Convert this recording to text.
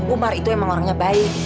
umar itu emang orangnya baik